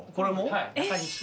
はい。